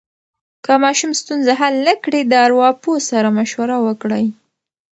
که ماشوم ستونزه حل نه کړي، د ارواپوه سره مشوره وکړئ.